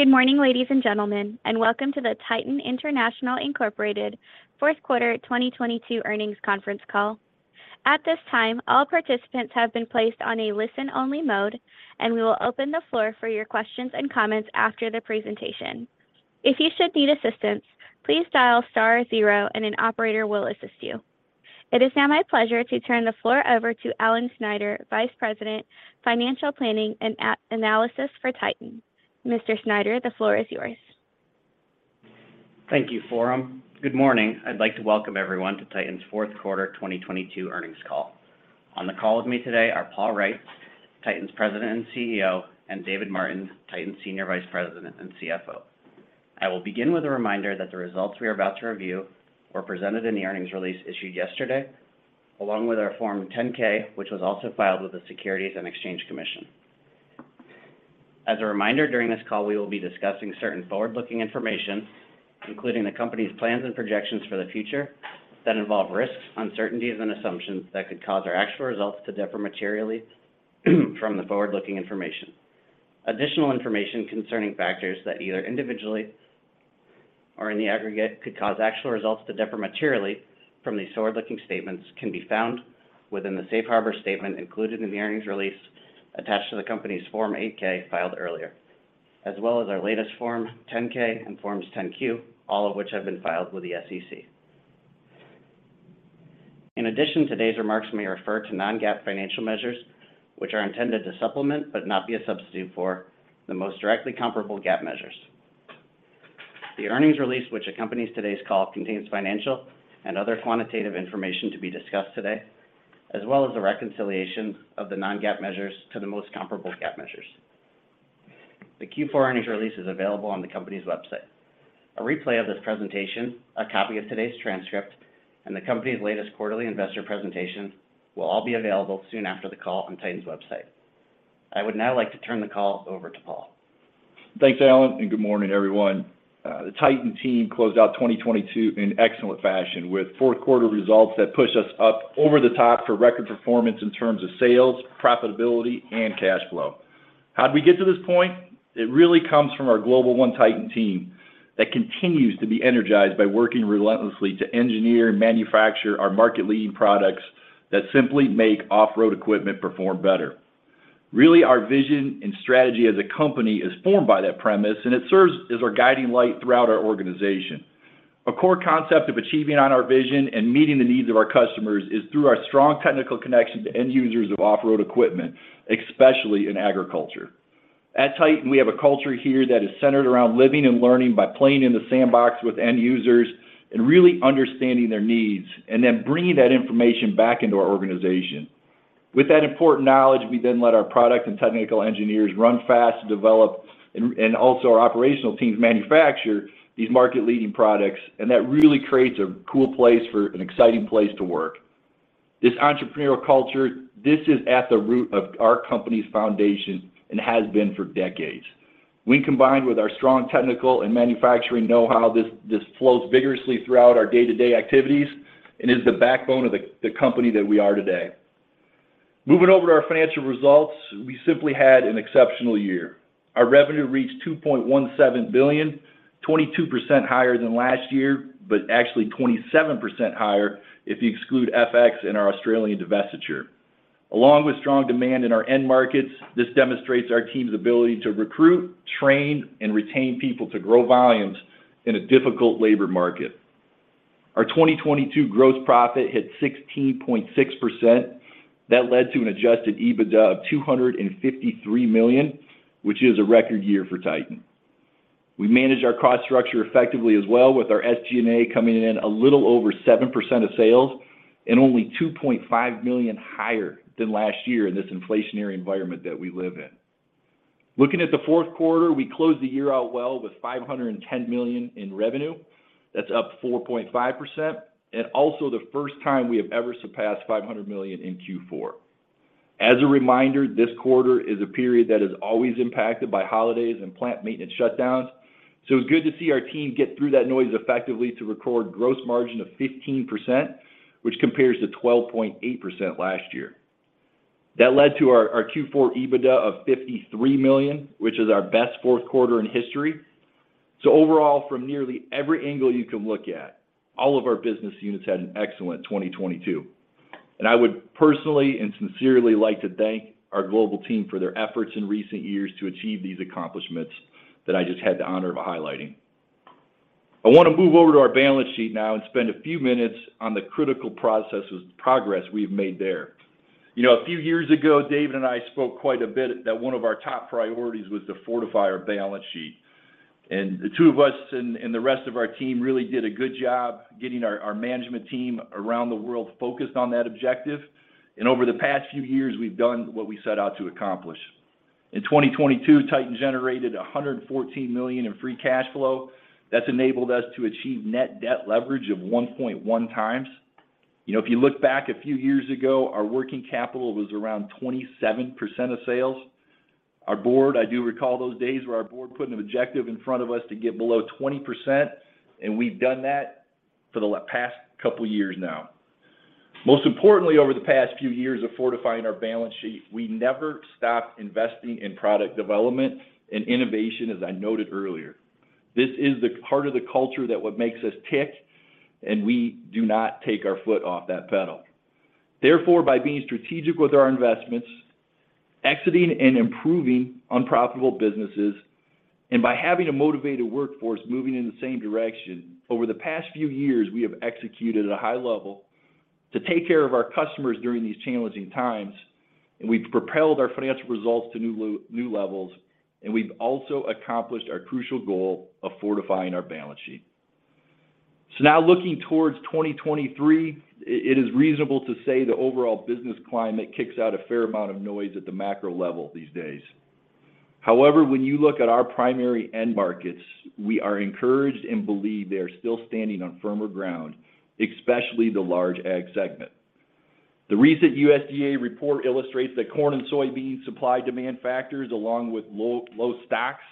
Good morning, ladies and gentlemen, welcome to the Titan International Incorporated fourth quarter 2022 earnings conference call. At this time, all participants have been placed on a listen-only mode, and we will open the floor for your questions and comments after the presentation. If you should need assistance, please dial star zero and an operator will assist you. It is now my pleasure to turn the floor over to Alan Snyder, Vice President, Financial Planning and Analysis for Titan. Mr. Snyder, the floor is yours. Thank you, Forum. Good morning. I'd like to welcome everyone to Titan's fourth quarter 2022 earnings call. On the call with me today are Paul Reitz, Titan's President and CEO, and David Martin, Titan's Senior Vice President and CFO. I will begin with a reminder that the results we are about to review were presented in the earnings release issued yesterday, along with our Form 10-K, which was also filed with the Securities and Exchange Commission. As a reminder, during this call, we will be discussing certain forward-looking information, including the company's plans and projections for the future that involve risks, uncertainties, and assumptions that could cause our actual results to differ materially from the forward-looking information. Additional information concerning factors that either individually or in the aggregate could cause actual results to differ materially from these forward-looking statements can be found within the safe harbor statement included in the earnings release attached to the company's Form 8-K filed earlier, as well as our latest Form 10-K and Forms 10-Q, all of which have been filed with the SEC. Today's remarks may refer to Non-GAAP financial measures, which are intended to supplement, but not be a substitute for, the most directly comparable GAAP measures. The earnings release which accompanies today's call contains financial and other quantitative information to be discussed today, as well as a reconciliation of the Non-GAAP measures to the most comparable GAAP measures. The Q four earnings release is available on the company's website. A replay of this presentation, a copy of today's transcript, and the company's latest quarterly investor presentation will all be available soon after the call on Titan's website. I would now like to turn the call over to Paul. Thanks, Alan. Good morning, everyone. The Titan team closed out 2022 in excellent fashion with fourth quarter results that pushed us up over the top for record performance in terms of sales, profitability, and cash flow. How'd we get to this point? It really comes from our global One Titan team that continues to be energized by working relentlessly to engineer and manufacture our market-leading products that simply make off-road equipment perform better. Really, our vision and strategy as a company is formed by that premise, and it serves as our guiding light throughout our organization. A core concept of achieving on our vision and meeting the needs of our customers is through our strong technical connection to end users of off-road equipment, especially in agriculture. At Titan, we have a culture here that is centered around living and learning by playing in the sandbox with end users and really understanding their needs and then bringing that information back into our organization. With that important knowledge, we then let our product and technical engineers run fast to develop and also our operational teams manufacture these market-leading products, and that really creates an exciting place to work. This entrepreneurial culture, this is at the root of our company's foundation and has been for decades. Combined with our strong technical and manufacturing know-how, this flows vigorously throughout our day-to-day activities and is the backbone of the company that we are today. Moving over to our financial results, we simply had an exceptional year. Our revenue reached $2.17 billion, 22% higher than last year, but actually 27% higher if you exclude FX and our Australian divestiture. Along with strong demand in our end markets, this demonstrates our team's ability to recruit, train, and retain people to grow volumes in a difficult labor market. Our 2022 gross profit hit 16.6%. That led to an adjusted EBITDA of $253 million, which is a record year for Titan. We managed our cost structure effectively as well with our SG&A coming in a little over 7% of sales and only $2.5 million higher than last year in this inflationary environment that we live in. Looking at the fourth quarter, we closed the year out well with $510 million in revenue. That's up 4.5% and also the first time we have ever surpassed $500 million in Q4. As a reminder, this quarter is a period that is always impacted by holidays and plant maintenance shutdowns, so it's good to see our team get through that noise effectively to record gross margin of 15%, which compares to 12.8% last year. That led to our Q4 EBITDA of $53 million, which is our best fourth quarter in history. Overall, from nearly every angle you can look at, all of our business units had an excellent 2022, and I would personally and sincerely like to thank our global team for their efforts in recent years to achieve these accomplishments that I just had the honor of highlighting. I want to move over to our balance sheet now and spend a few minutes on the critical progress we've made there. You know, a few years ago, David and I spoke quite a bit that one of our top priorities was to fortify our balance sheet. The two of us and the rest of our team really did a good job getting our management team around the world focused on that objective. Over the past few years, we've done what we set out to accomplish. In 2022, Titan generated $114 million in free cash flow. That's enabled us to achieve net debt leverage of 1.1 times. You know, if you look back a few years ago, our working capital was around 27% of sales. Our board, I do recall those days where our board put an objective in front of us to get below 20%, and we've done that for the past couple years now. Most importantly, over the past few years of fortifying our balance sheet, we never stopped investing in product development and innovation, as I noted earlier. This is the heart of the culture that what makes us tick, and we do not take our foot off that pedal. By being strategic with our investments, exiting and improving unprofitable businesses, and by having a motivated workforce moving in the same direction, over the past few years, we have executed at a high level to take care of our customers during these challenging times, and we've propelled our financial results to new levels, and we've also accomplished our crucial goal of fortifying our balance sheet. Now looking towards 2023, it is reasonable to say the overall business climate kicks out a fair amount of noise at the macro level these days. When you look at our primary end markets, we are encouraged and believe they are still standing on firmer ground, especially the large ag segment. The recent USDA report illustrates that corn and soybean supply-demand factors, along with low stocks,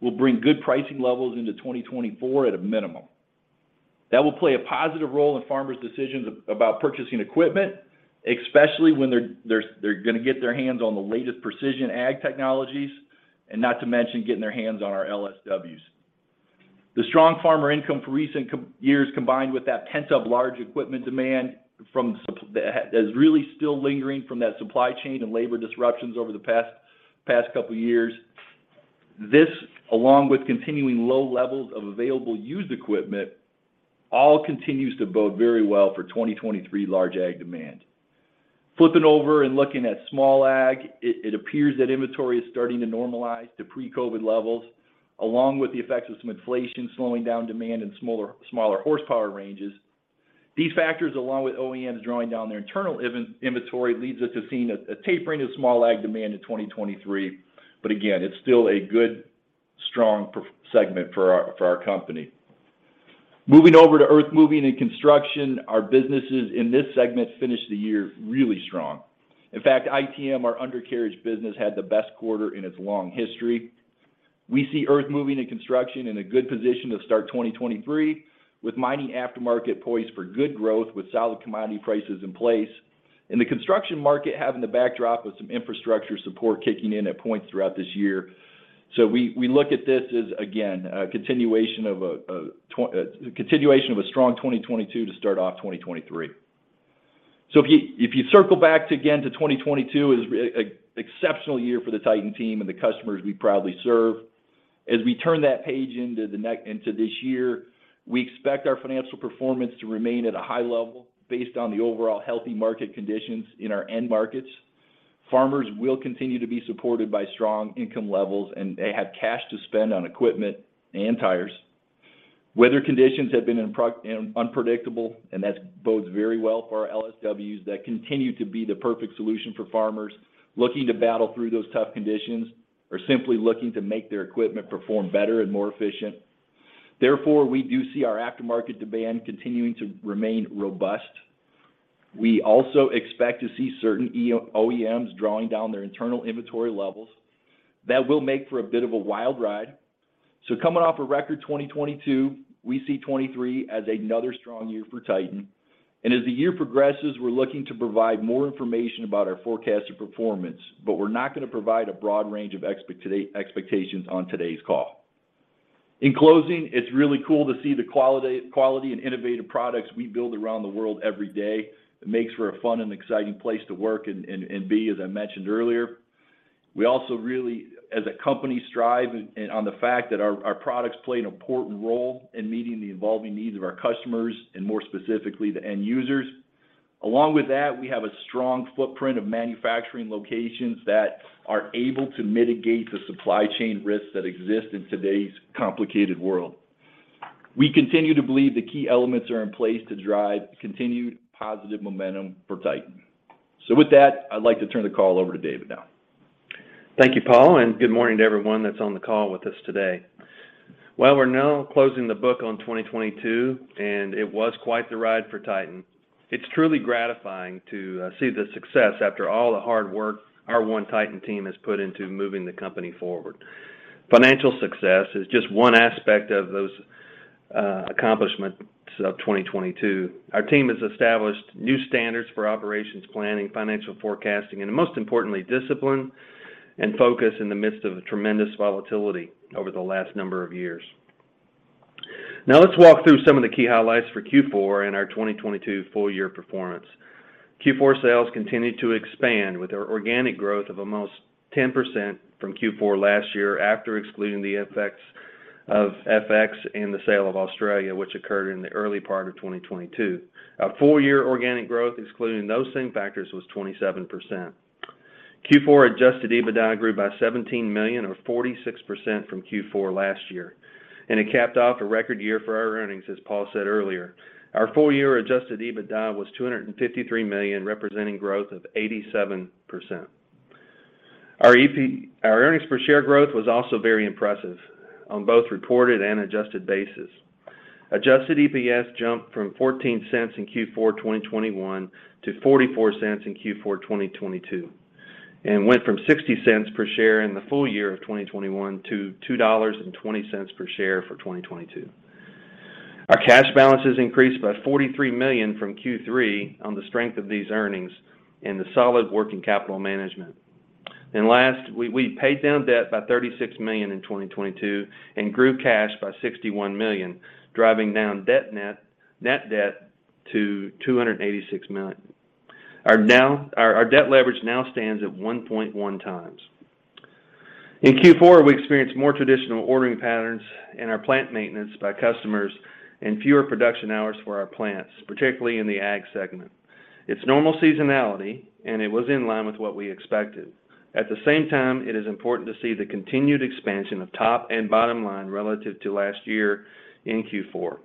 will bring good pricing levels into 2024 at a minimum. That will play a positive role in farmers' decisions about purchasing equipment, especially when they're gonna get their hands on the latest precision ag technologies, and not to mention getting their hands on our LSWs. The strong farmer income for recent couple years combined with that pent-up large equipment demand that has is really still lingering from that supply chain and labor disruptions over the past couple years. This, along with continuing low levels of available used equipment, all continues to bode very well for 2023 large ag demand. Flipping over and looking at small ag, it appears that inventory is starting to normalize to pre-COVID levels, along with the effects of some inflation slowing down demand in smaller horsepower ranges. These factors, along with OEMs drawing down their internal inventory, leads us to seeing a tapering of small ag demand in 2023. Again, it's still a good, strong segment for our company. Moving over to earthmoving and construction, our businesses in this segment finished the year really strong. In fact, ITM, our undercarriage business, had the best quarter in its long history. We see earthmoving and construction in a good position to start 2023, with mining aftermarket poised for good growth with solid commodity prices in place, and the construction market having the backdrop of some infrastructure support kicking in at points throughout this year. we look at this as, again, a continuation of a strong 2022 to start off 2023. if you circle back to, again, to 2022, it was an exceptional year for the Titan team and the customers we proudly serve. As we turn that page into this year, we expect our financial performance to remain at a high level based on the overall healthy market conditions in our end markets. Farmers will continue to be supported by strong income levels, and they have cash to spend on equipment and tires. Weather conditions have been unpredictable, and that bodes very well for our LSWs that continue to be the perfect solution for farmers looking to battle through those tough conditions or simply looking to make their equipment perform better and more efficient. Therefore, we do see our aftermarket demand continuing to remain robust. We also expect to see certain OEMs drawing down their internal inventory levels. That will make for a bit of a wild ride. Coming off a record 2022, we see 2023 as another strong year for Titan. As the year progresses, we're looking to provide more information about our forecasted performance, but we're not gonna provide a broad range of expectations on today's call. In closing, it's really cool to see the quality and innovative products we build around the world every day. It makes for a fun and exciting place to work and be, as I mentioned earlier. We also really, as a company, strive and on the fact that our products play an important role in meeting the evolving needs of our customers and more specifically the end users. Along with that, we have a strong footprint of manufacturing locations that are able to mitigate the supply chain risks that exist in today's complicated world. We continue to believe the key elements are in place to drive continued positive momentum for Titan. With that, I'd like to turn the call over to David now. Thank you, Paul, and good morning to everyone that's on the call with us today. We're now closing the book on 2022, and it was quite the ride for Titan. It's truly gratifying to see the success after all the hard work our One Titan team has put into moving the company forward. Financial success is just one aspect of those accomplishments of 2022. Our team has established new standards for operations planning, financial forecasting, and most importantly, discipline and focus in the midst of tremendous volatility over the last number of years. Let's walk through some of the key highlights for Q4 and our 2022 full year performance. Q4 sales continued to expand with our organic growth of almost 10% from Q4 last year after excluding the effects of FX and the sale of Australia, which occurred in the early part of 2022. Our full year organic growth, excluding those same factors, was 27%. Q4 adjusted EBITDA grew by $17 million or 46% from Q4 last year. It capped off a record year for our earnings, as Paul said earlier. Our full year adjusted EBITDA was $253 million, representing growth of 87%. Our earnings per share growth was also very impressive on both reported and adjusted basis. Adjusted EPS jumped from $0.14 in Q4 2021 to $0.44 in Q4 2022. It went from $0.60 per share in the full year of 2021 to $2.20 per share for 2022. Our cash balances increased by $43 million from Q3 on the strength of these earnings and the solid working capital management. Last, we paid down debt by $36 million in 2022 and grew cash by $61 million, driving down net debt to $286 million. Our debt leverage now stands at 1.1 times. In Q4, we experienced more traditional ordering patterns in our plant maintenance by customers and fewer production hours for our plants, particularly in the ag segment. It's normal seasonality, and it was in line with what we expected. At the same time, it is important to see the continued expansion of top and bottom line relative to last year in Q4,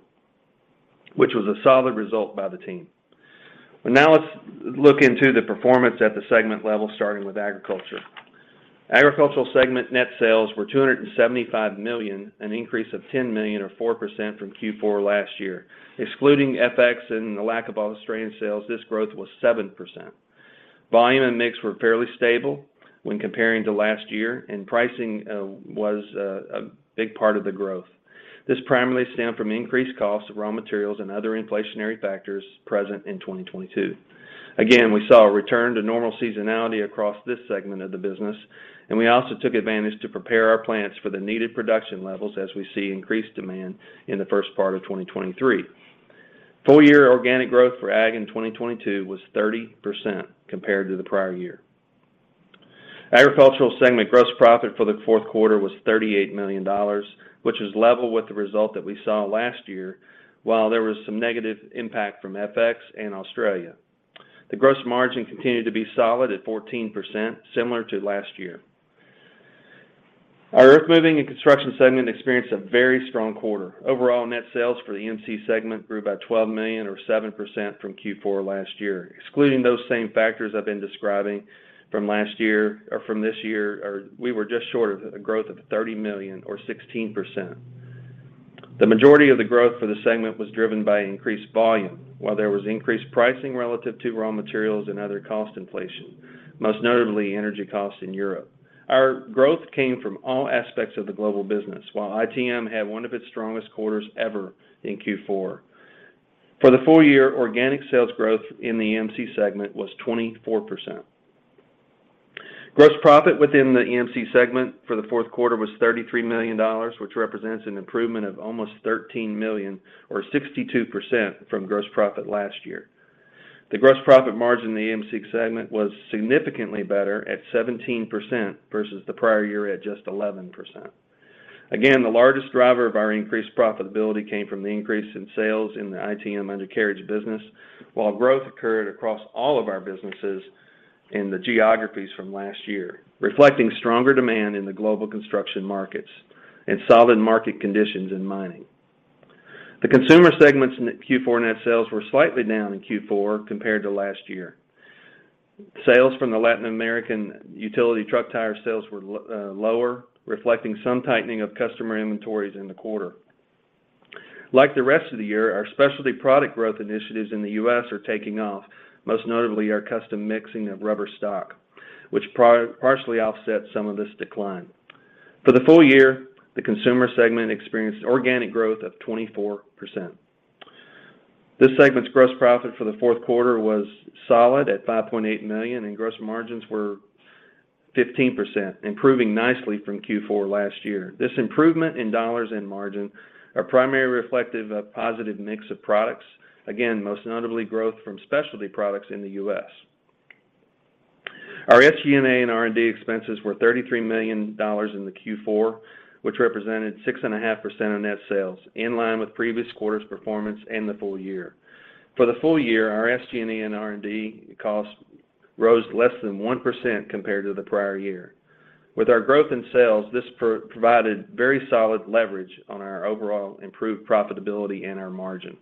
which was a solid result by the team. Now let's look into the performance at the segment level, starting with agriculture. Agricultural segment net sales were $275 million, an increase of $10 million or 4% from Q4 last year. Excluding FX and the lack of Australian sales, this growth was 7%. Volume and mix were fairly stable when comparing to last year, and pricing was a big part of the growth. This primarily stemmed from increased costs of raw materials and other inflationary factors present in 2022. We saw a return to normal seasonality across this segment of the business, and we also took advantage to prepare our plants for the needed production levels as we see increased demand in the first part of 2023. Full year organic growth for ag in 2022 was 30% compared to the prior year. Agricultural segment gross profit for the fourth quarter was $38 million, which is level with the result that we saw last year, while there was some negative impact from FX and Australia. The gross margin continued to be solid at 14%, similar to last year. Our earthmoving and construction segment experienced a very strong quarter. Overall net sales for the EMC segment grew by $12 million or 7% from Q4 last year. Excluding those same factors I've been describing from last year or from this year, we were just short of a growth of $30 million or 16%. The majority of the growth for the segment was driven by increased volume, while there was increased pricing relative to raw materials and other cost inflation, most notably energy costs in Europe. Our growth came from all aspects of the global business, while ITM had one of its strongest quarters ever in Q4. For the full year, organic sales growth in the EMC segment was 24%. Gross profit within the EMC segment for the fourth quarter was $33 million, which represents an improvement of almost $13 million or 62% from gross profit last year. The gross profit margin in the EMC segment was significantly better at 17% versus the prior year at just 11%. Again, the largest driver of our increased profitability came from the increase in sales in the ITM undercarriage business, while growth occurred across all of our businesses in the geographies from last year, reflecting stronger demand in the global construction markets and solid market conditions in mining. The consumer segments in Q4 net sales were slightly down in Q4 compared to last year. Sales from the Latin American utility truck tire sales were lower, reflecting some tightening of customer inventories in the quarter. Like the rest of the year, our specialty product growth initiatives in the U.S. are taking off, most notably our custom mixing of rubber stock, which partially offset some of this decline. For the full year, the consumer segment experienced organic growth of 24%. This segment's gross profit for the fourth quarter was solid at $5.8 million, and gross margins were 15%, improving nicely from Q4 last year. This improvement in dollars and margin are primarily reflective of positive mix of products, again, most notably growth from specialty products in the U.S. Our SG&A and R&D expenses were $33 million in the Q4, which represented 6.5% of net sales, in line with previous quarters' performance and the full year. For the full year, our SG&A and R&D costs rose less than 1% compared to the prior year. With our growth in sales, this provided very solid leverage on our overall improved profitability and our margin.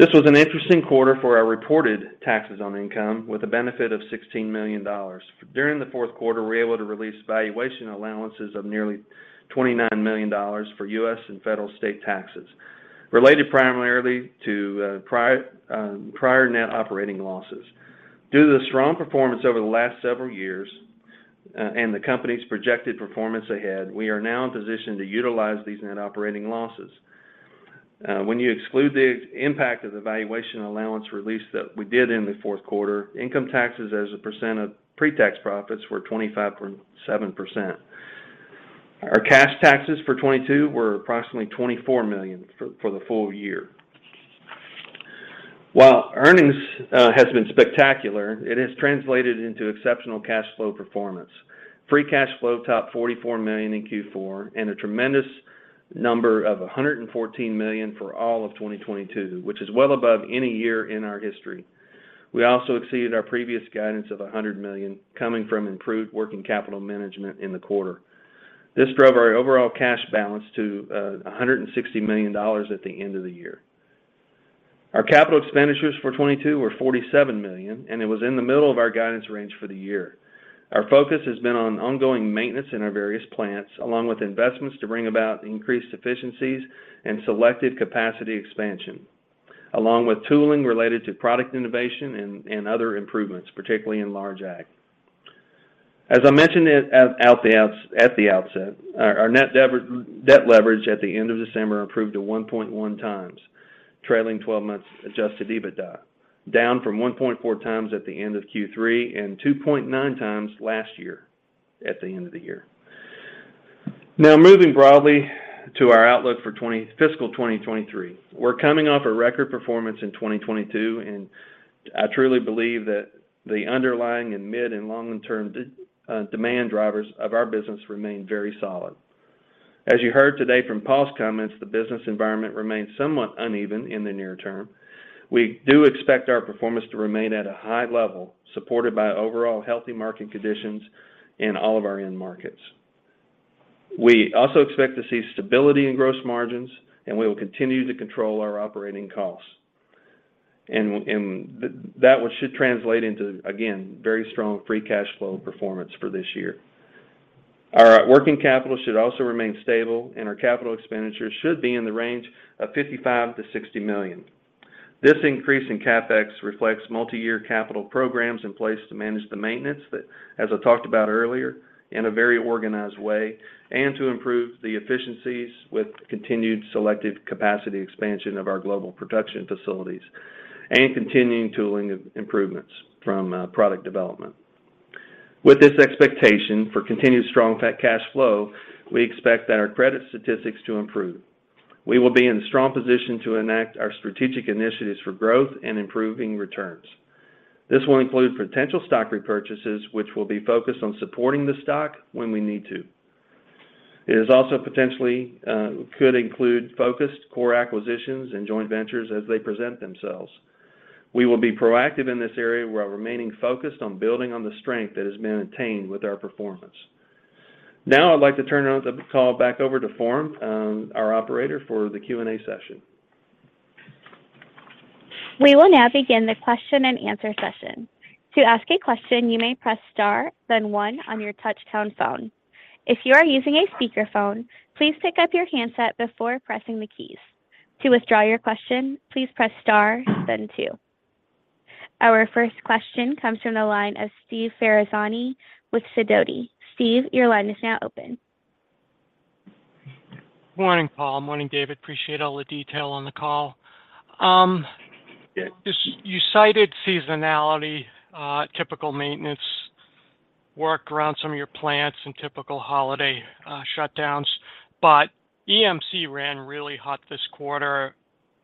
This was an interesting quarter for our reported taxes on income with a benefit of $16 million. During the fourth quarter, we were able to release valuation allowances of nearly $29 million for U.S. and federal state taxes related primarily to prior net operating losses. Due to the strong performance over the last several years and the company's projected performance ahead, we are now in position to utilize these net operating losses. When you exclude the impact of the valuation allowance release that we did in the fourth quarter, income taxes as a percent of pre-tax profits were 25.7%. Our cash taxes for 2022 were approximately $24 million for the full year. While earnings has been spectacular, it has translated into exceptional cash flow performance. Free cash flow topped $44 million in Q4 and a tremendous number of $114 million for all of 2022, which is well above any year in our history. We also exceeded our previous guidance of $100 million coming from improved working capital management in the quarter. This drove our overall cash balance to $160 million at the end of the year. Our capital expenditures for 2022 were $47 million, and it was in the middle of our guidance range for the year. Our focus has been on ongoing maintenance in our various plants, along with investments to bring about increased efficiencies and selected capacity expansion. Along with tooling related to product innovation and other improvements, particularly in large ag. As I mentioned at the outset, our net debt leverage at the end of December improved to 1.1 times trailing 12 months adjusted EBITDA, down from 1.4 times at the end of Q3 and 2.9 times last year at the end of the year. Moving broadly to our outlook for fiscal 2023. We're coming off a record performance in 2022, and I truly believe that the underlying and mid and long-term demand drivers of our business remain very solid. As you heard today from Paul's comments, the business environment remains somewhat uneven in the near-term. We do expect our performance to remain at a high level, supported by overall healthy market conditions in all of our end markets. We also expect to see stability in gross margins, and we will continue to control our operating costs. That should translate into, again, very strong free cash flow performance for this year. Our working capital should also remain stable, and our capital expenditures should be in the range of $55 million-$60 million. This increase in CapEx reflects multiyear capital programs in place to manage the maintenance that, as I talked about earlier, in a very organized way, and to improve the efficiencies with continued selective capacity expansion of our global production facilities, and continuing tooling improvements from product development. With this expectation for continued strong fat cash flow, we expect that our credit statistics to improve. We will be in a strong position to enact our strategic initiatives for growth and improving returns. This will include potential stock repurchases, which will be focused on supporting the stock when we need to. It is also potentially could include focused core acquisitions and joint ventures as they present themselves. We will be proactive in this area while remaining focused on building on the strength that has been attained with our performance. I'd like to turn the call back over to Forum, our operator for the Q&A session. We will now begin the question-and-answer session. To ask a question, you may press star, then one on your touchtone phone. If you are using a speakerphone, please pick up your handset before pressing the keys. To withdraw your question, please press star, then two. Our first question comes from the line of Steve Ferrucci with Sidoti. Steve, your line is now open. Morning, Paul. Morning, David. Appreciate all the detail on the call. just you cited seasonality, typical maintenance work around some of your plants and typical holiday, shutdowns. EMC ran really hot this quarter.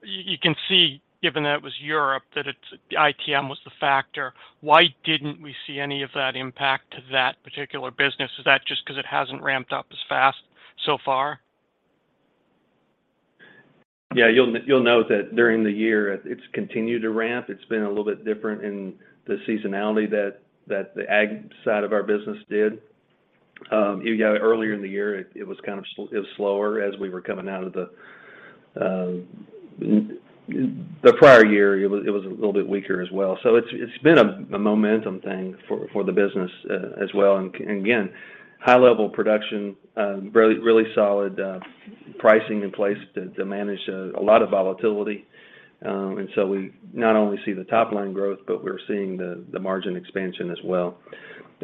you can see, given that it was Europe, that ITM was the factor. Why didn't we see any of that impact to that particular business? Is that just 'cause it hasn't ramped up as fast so far? Yeah, you'll note that during the year, it's continued to ramp. It's been a little bit different in the seasonality that the ag side of our business did. You know, earlier in the year, it was kind of slower as we were coming out of the prior year, it was a little bit weaker as well. It's been a momentum thing for the business as well. Again, high level production, really solid pricing in place to manage a lot of volatility. We not only see the top line growth, but we're seeing the margin expansion as well.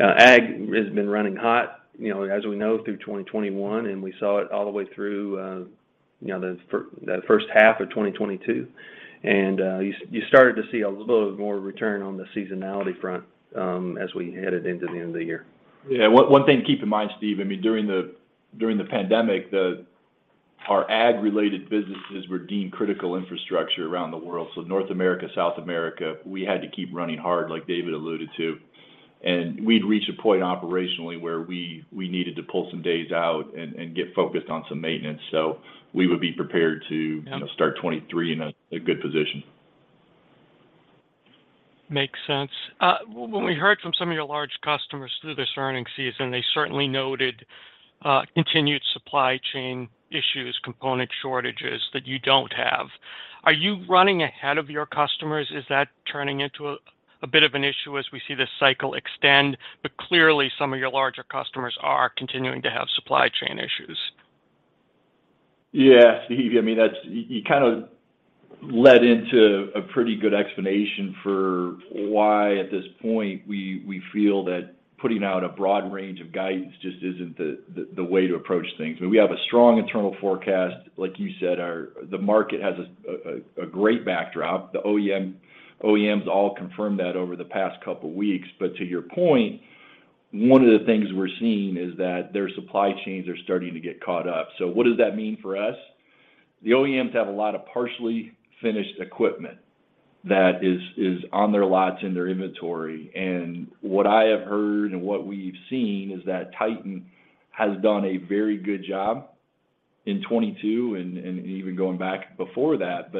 ag has been running hot, you know, as we know, through 2021, and we saw it all the way through, you started to see a little bit more return on the seasonality front, as we headed into the end of the year. Yeah. One thing to keep in mind, Steve, I mean, during the pandemic, our ag related businesses were deemed critical infrastructure around the world. North America, South America, we had to keep running hard, like David alluded to. We'd reached a point operationally where we needed to pull some days out and get focused on some maintenance. We would be prepared to. Yeah. you know, start 2023 in a good position. Makes sense. When we heard from some of your large customers through this earning season, they certainly noted continued supply chain issues, component shortages that you don't have. Are you running ahead of your customers? Is that turning into a bit of an issue as we see this cycle extend? Clearly, some of your larger customers are continuing to have supply chain issues. Yeah. Steve, I mean, that's you kind of led into a pretty good explanation for why at this point we feel that putting out a broad range of guidance just isn't the way to approach things. We have a strong internal forecast. Like you said, our the market has a great backdrop. The OEMs all confirmed that over the past couple weeks. To your point, one of the things we're seeing is that their supply chains are starting to get caught up. What does that mean for us? The OEMs have a lot of partially finished equipment that is on their lots in their inventory. What I have heard and what we've seen is that Titan has done a very good job in 22 and even going back before that.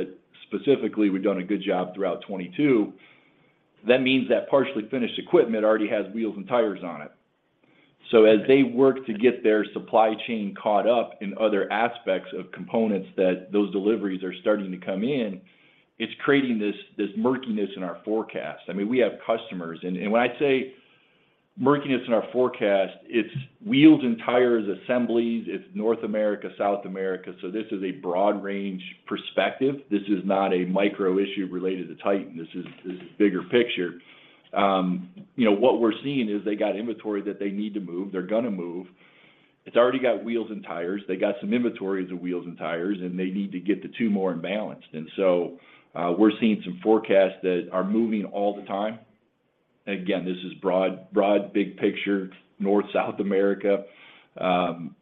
Specifically, we've done a good job throughout 22. That means that partially finished equipment already has wheels and tires on it. As they work to get their supply chain caught up in other aspects of components that those deliveries are starting to come in, it's creating this murkiness in our forecast. I mean, we have customers. When I say customers- Murkiness in our forecast, it's wheels and tires assemblies. It's North America, South America, so this is a broad range perspective. This is not a micro issue related to Titan. This is bigger picture. You know, what we're seeing is they got inventory that they need to move. They're gonna move. It's already got wheels and tires. They got some inventory of the wheels and tires, and they need to get the two more in balance. We're seeing some forecasts that are moving all the time. Again, this is broad, big picture, North, South America.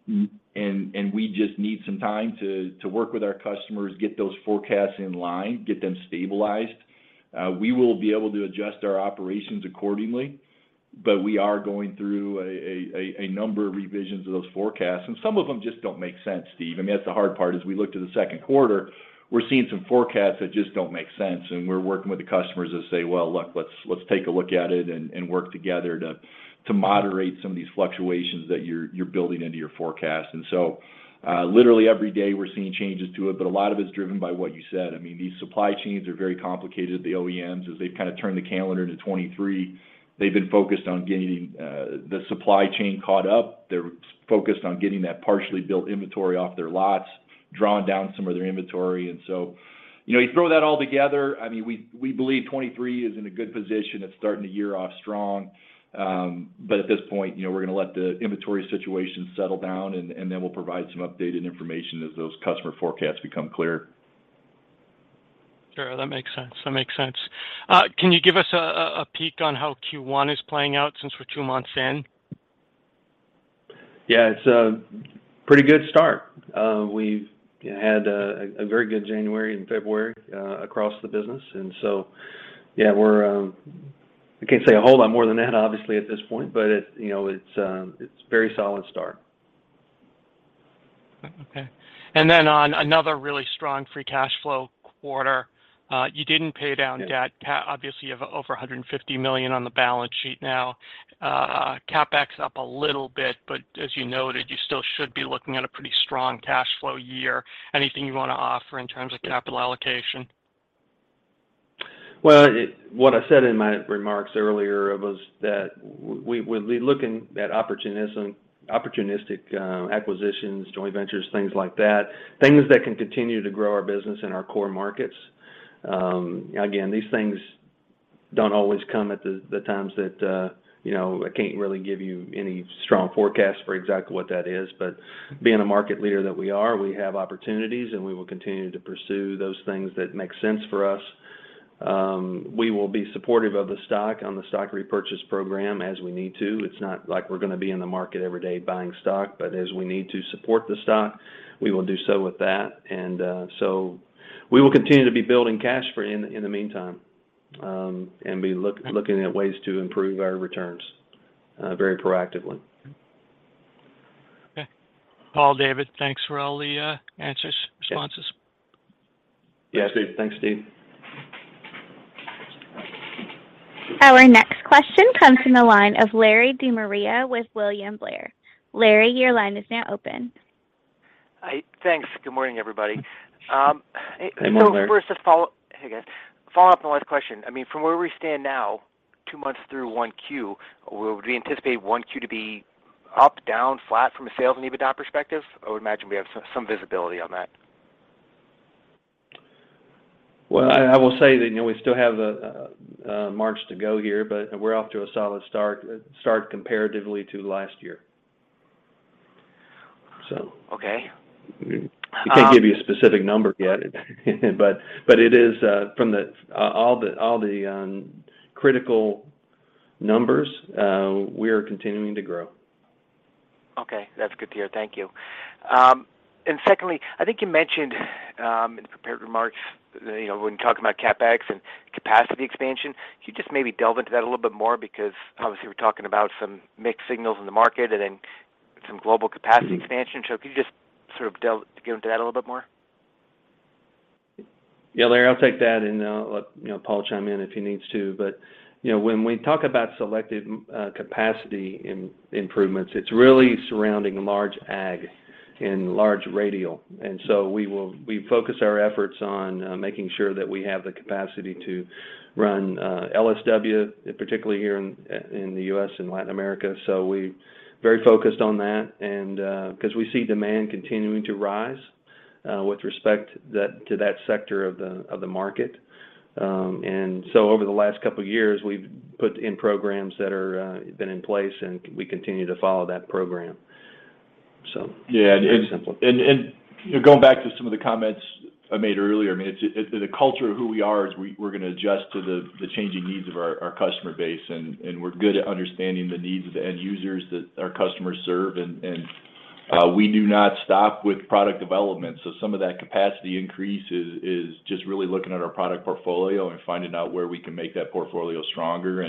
We just need some time to work with our customers, get those forecasts in line, get them stabilized. We will be able to adjust our operations accordingly, but we are going through a number of revisions of those forecasts, and some of them just don't make sense, Steve. I mean, that's the hard part is we look to the second quarter, we're seeing some forecasts that just don't make sense, and we're working with the customers to say, "Well, look, let's take a look at it and work together to moderate some of these fluctuations that you're building into your forecast." literally every day we're seeing changes to it, but a lot of it's driven by what you said. I mean, these supply chains are very complicated. The OEMs, as they've kind of turned the calendar to 2023, they've been focused on getting the supply chain caught up. They're focused on getting that partially built inventory off their lots, drawing down some of their inventory. You know, you throw that all together, I mean, we believe 2023 is in a good position. It's starting the year off strong. At this point, you know, we're gonna let the inventory situation settle down, and then we'll provide some updated information as those customer forecasts become clear. Sure. That makes sense. That makes sense. Can you give us a peek on how Q1 is playing out since we're two months in? Yeah. It's a pretty good start. We've had a very good January and February across the business. Yeah, we're... I can't say a whole lot more than that obviously at this point, but it's, you know, it's a very solid start. Okay. Then on another really strong free cash flow quarter, you didn't pay down debt. Obviously, you have over $150 million on the balance sheet now. CapEx up a little bit, but as you noted, you still should be looking at a pretty strong cash flow year. Anything you wanna offer in terms of capital allocation? Well, what I said in my remarks earlier was that we're looking at opportunistic acquisitions, joint ventures, things like that, things that can continue to grow our business in our core markets. Again, these things don't always come at the times that, you know, I can't really give you any strong forecast for exactly what that is. Being a market leader that we are, we have opportunities, and we will continue to pursue those things that make sense for us. We will be supportive of the stock on the stock repurchase program as we need to. It's not like we're gonna be in the market every day buying stock, but as we need to support the stock, we will do so with that. We will continue to be building cash for in the meantime, and be looking at ways to improve our returns, very proactively. Okay. Paul, David, thanks for all the answers, responses. Yeah. Yeah, Steve. Thanks, Steve. Our next question comes from the line of Larry DeMaria with William Blair. Larry, your line is now open. thanks. Good morning, everybody. Good morning, Larry. First, Hey, guys. Follow-up to the last question. I mean, from where we stand now, two months through 1Q, would we anticipate 1Q to be up, down, flat from a sales and EBITDA perspective? I would imagine we have some visibility on that. Well, I will say that, you know, we still have a March to go here, but we're off to a solid start comparatively to last year. Okay. I can't give you a specific number yet but it is from all the critical numbers, we are continuing to grow. Okay. That's good to hear. Thank Thank you. Secondly, I think you mentioned in prepared remarks, you know, when talking about CapEx and capacity expansion. Could you just maybe delve into that a little bit more? Obviously we're talking about some mixed signals in the market and then some global capacity expansion. Could you just sort of get into that a little bit more? Yeah, Larry, I'll take that and I'll let, you know, Paul chime in if he needs to. You know, when we talk about selective capacity improvements, it's really surrounding large ag and large radial. We focus our efforts on making sure that we have the capacity to run LSW, particularly here in the U.S. and Latin America. We're very focused on that and 'cause we see demand continuing to rise with respect to that sector of the market. Over the last couple of years, we've put in programs that are been in place, and we continue to follow that program. Yeah. You know, going back to some of the comments I made earlier. I mean, it's the culture of who we are is we're gonna adjust to the changing needs of our customer base. We're good at understanding the needs of the end users that our customers serve. We do not stop with product development. Some of that capacity increase is just really looking at our product portfolio and finding out where we can make that portfolio stronger.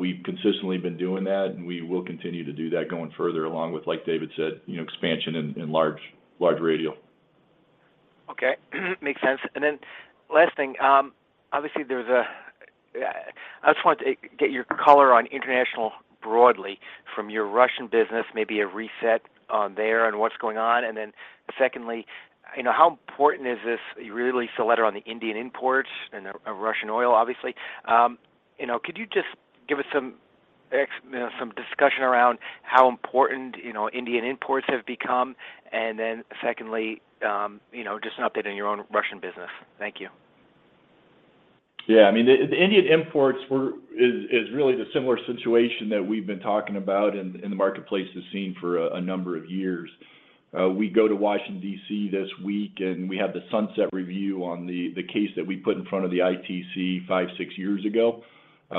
We've consistently been doing that, and we will continue to do that going further along with, like David said, you know, expansion in large radial. Okay. Makes sense. Last thing. I just wanted to get your color on international broadly from your Russian business, maybe a reset on there on what's going on. Secondly, you know, how important is this? You released a letter on the Indian imports and of Russian oil, obviously. Could you just give us some, you know, some discussion around how important, you know, Indian imports have become. Secondly, you know, just an update on your own Russian business. Thank you. Yeah. I mean, the Indian imports is really the similar situation that we've been talking about in the marketplace has seen for a number of years. We go to Washington D.C. this week, and we have the sunset review on the case that we put in front of the ITC five, six years ago.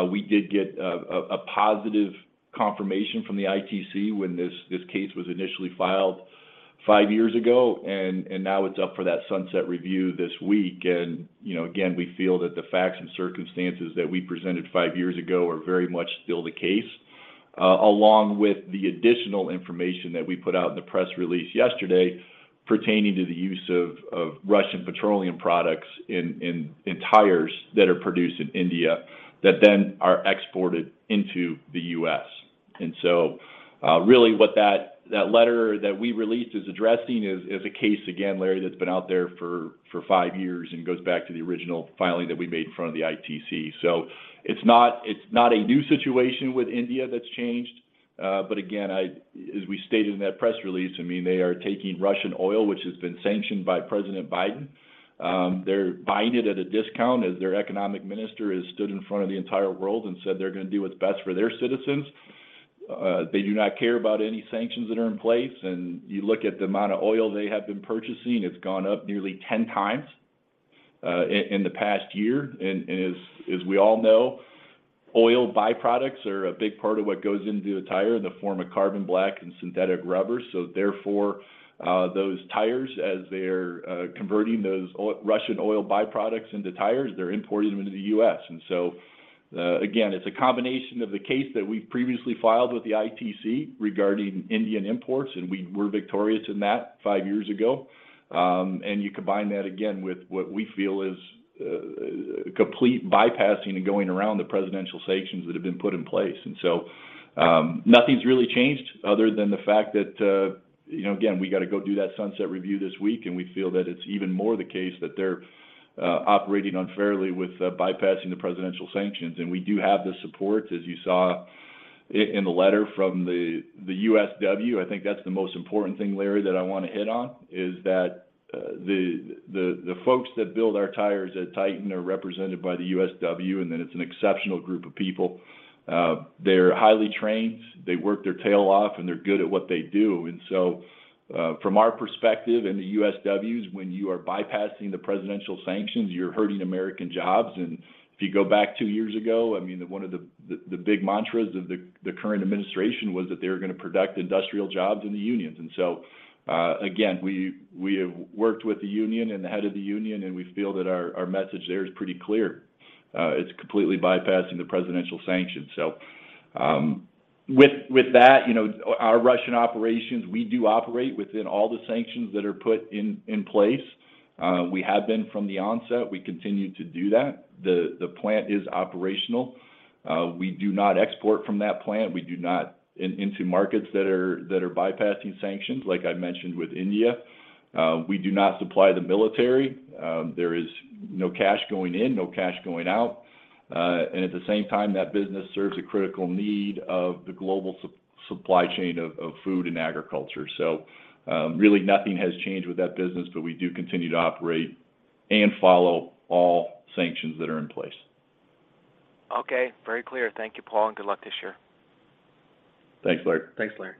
We did get a positive confirmation from the ITC when this case was initially filed five years ago, and now it's up for that sunset review this week. You know, again, we feel that the facts and circumstances that we presented five years ago are very much still the case, along with the additional information that we put out in the press release yesterday pertaining to the use of Russian petroleum products in tires that are produced in India that then are exported into the U.S. Really what that letter that we released is addressing is a case, again, Larry, that's been out there for five years and goes back to the original filing that we made in front of the ITC. It's not a new situation with India that's changed. Again, as we stated in that press release, I mean, they are taking Russian oil, which has been sanctioned by President Biden. They're buying it at a discount as their economic minister has stood in front of the entire world and said they're gonna do what's best for their citizens. They do not care about any sanctions that are in place. You look at the amount of oil they have been purchasing, it's gone up nearly 10 times in the past year. As we all know, oil byproducts are a big part of what goes into a tire in the form of carbon black and synthetic rubber. Therefore, those tires, as they're converting those Russian oil byproducts into tires, they're importing them into the U.S. Again, it's a combination of the case that we previously filed with the ITC regarding Indian imports, and we were victorious in that five years ago. You combine that again with what we feel is complete bypassing and going around the presidential sanctions that have been put in place. Nothing's really changed other than the fact that, you know, again, we gotta go do that sunset review this week, and we feel that it's even more the case that they're operating unfairly with bypassing the presidential sanctions. We do have the support, as you saw in the letter from the USW. I think that's the most important thing, Larry, that I want to hit on, is that the folks that build our tires at Titan are represented by the USW, and that it's an exceptional group of people. They're highly trained, they work their tail off, and they're good at what they do. From our perspective and the USW's, when you are bypassing the presidential sanctions, you're hurting American jobs. If you go back two years ago, I mean, one of the big mantras of the current administration was that they were gonna protect industrial jobs in the unions. Again, we have worked with the union and the head of the union, and we feel that our message there is pretty clear. It's completely bypassing the presidential sanctions. With that, you know, our Russian operations, we do operate within all the sanctions that are put in place. We have been from the onset. We continue to do that. The plant is operational. We do not export from that plant. We do not into markets that are bypassing sanctions, like I mentioned with India. We do not supply the military. There is no cash going in, no cash going out. At the same time, that business serves a critical need of the global supply chain of food and agriculture. Really nothing has changed with that business, but we do continue to operate and follow all sanctions that are in place. Okay. Very clear. Thank you, Paul. Good luck this year. Thanks, Larry. Thanks, Larry.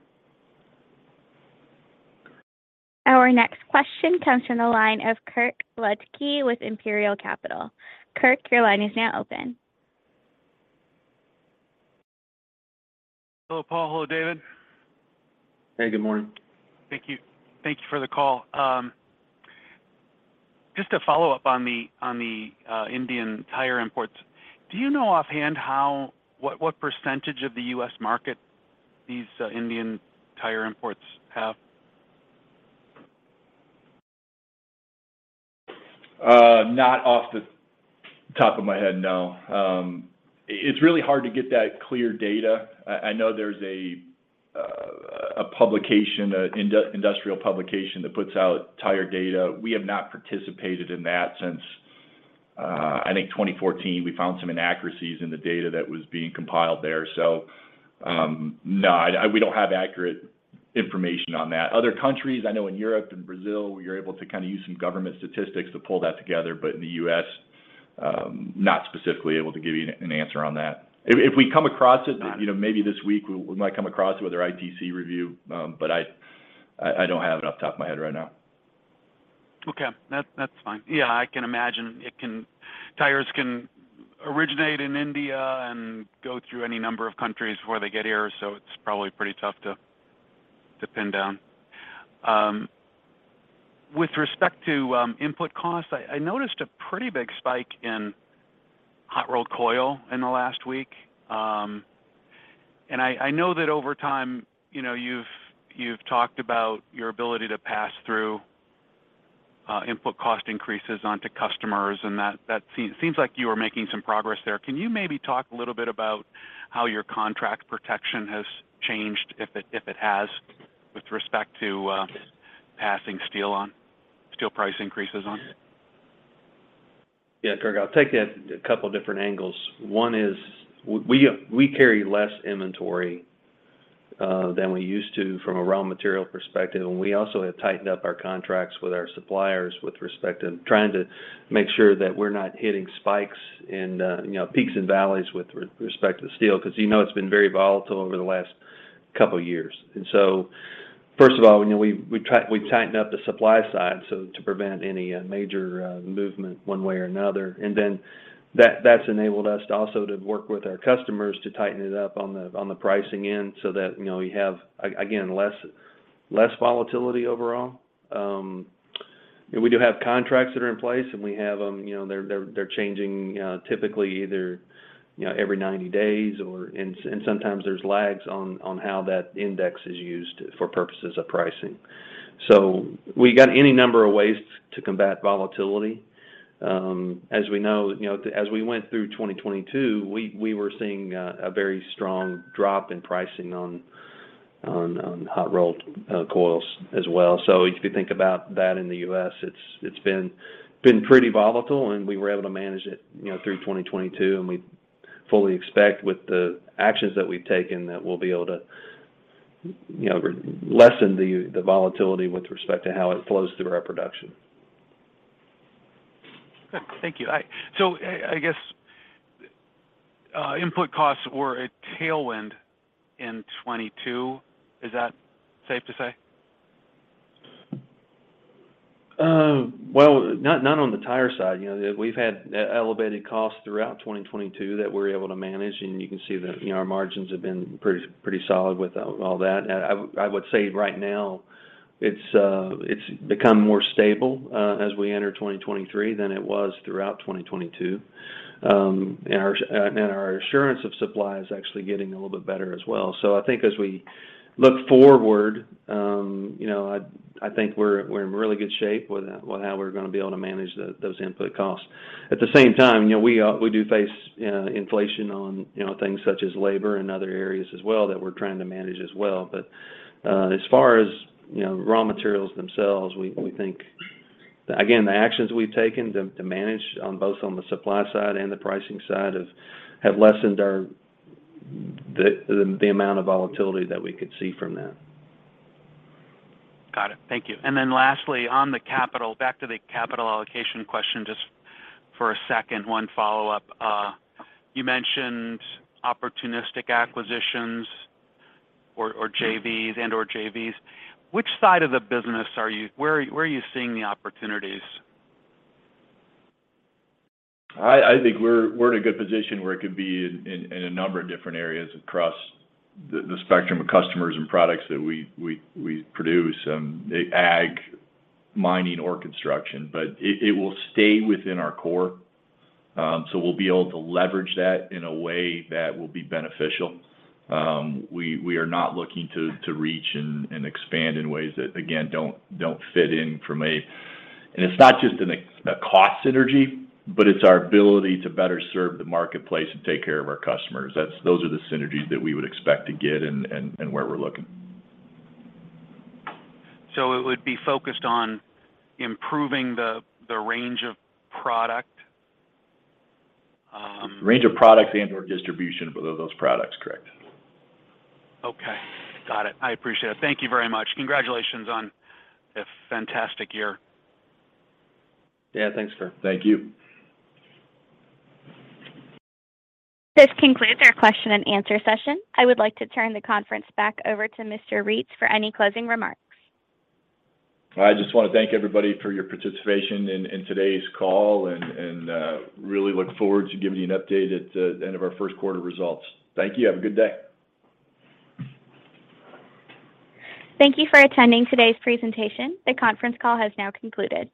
Our next question comes from the line of Kirk Ludtke with Imperial Capital. Kirk, your line is now open. Hello, Paul. Hello, David. Hey, good morning. Thank you. Thank you for the call. Just to follow up on the Indian tire imports, do you know offhand what percentage of the U.S. market these Indian tire imports have? Not off the top of my head, no. It's really hard to get that clear data. I know there's a publication, a industrial publication that puts out tire data. We have not participated in that since, I think 2014. We found some inaccuracies in the data that was being compiled there. No, we don't have accurate information on that. Other countries, I know in Europe and Brazil, you're able to kind of use some government statistics to pull that together. In the U.S., not specifically able to give you an answer on that. If we come across it. Got it. you know, maybe this week we might come across it with our ITC review. I don't have it off the top of my head right now. Okay. That's fine. Yeah, I can imagine tires can originate in India and go through any number of countries before they get here, so it's probably pretty tough to pin down. With respect to input costs, I noticed a pretty big spike in hot-rolled coil in the last week. I know that over time, you know, you've talked about your ability to pass through input cost increases onto customers, and that seems like you are making some progress there. Can you maybe talk a little bit about how your contract protection has changed, if it has, with respect to passing steel price increases on? Yeah, Kirk, I'll take that a couple different angles. One is we carry less inventory than we used to from a raw material perspective, and we also have tightened up our contracts with our suppliers with respect to trying to make sure that we're not hitting spikes and, you know, peaks and valleys with respect to steel because, you know, it's been very volatile over the last couple years. First of all, you know, we tightened up the supply side, so to prevent any major movement one way or another. Then that's enabled us to also to work with our customers to tighten it up on the pricing end so that, you know, we have again, less volatility overall. We do have contracts that are in place, and we have them, you know, they're changing, typically either, you know, every 90 days or. Sometimes there's lags on how that index is used for purposes of pricing. We got any number of ways to combat volatility. As we know, you know, as we went through 2022, we were seeing a very strong drop in pricing on hot-rolled coils as well. If you think about that in the U.S., it's been pretty volatile and we were able to manage it, you know, through 2022 and we fully expect with the actions that we've taken that we'll be able to, you know, lessen the volatility with respect to how it flows through our production. Thank you. I guess input costs were a tailwind in 2022. Is that safe to say? Well, not on the tire side. You know, we've had elevated costs throughout 2022 that we're able to manage, and you can see that, you know, our margins have been pretty solid with all that. I would say right now it's become more stable as we enter 2023 than it was throughout 2022. Our assurance of supply is actually getting a little bit better as well. I think as we look forward, you know, I think we're in really good shape with how we're gonna be able to manage those input costs. At the same time, you know, we do face inflation on things such as labor and other areas as well that we're trying to manage as well. As far as, you know, raw materials themselves, we think, again, the actions we've taken to manage on both the supply side and the pricing side have lessened the amount of volatility that we could see from that. Got it. Thank you. Lastly, on the capital, back to the capital allocation question just for a second, one follow-up. You mentioned opportunistic acquisitions or JVs and/or JVs. Which side of the business where are you seeing the opportunities? I think we're in a good position where it could be in a number of different areas across the spectrum of customers and products that we produce, ag, mining or construction. It will stay within our core, so we'll be able to leverage that in a way that will be beneficial. We are not looking to reach and expand in ways that, again, don't fit in from a. It's not just in a cost synergy, but it's our ability to better serve the marketplace and take care of our customers. Those are the synergies that we would expect to get and where we're looking. It would be focused on improving the range of product. Range of products and/or distribution of those products. Correct. Okay. Got it. I appreciate it. Thank you very much. Congratulations on a fantastic year. Yeah. Thanks, Kirk. Thank you. This concludes our question and answer session. I would like to turn the conference back over to Paul Reitz for any closing remarks. I just wanna thank everybody for your participation in today's call and really look forward to giving you an update at the end of our first quarter results. Thank you. Have a good day. Thank you for attending today's presentation. The conference call has now concluded.